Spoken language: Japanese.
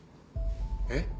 えっ？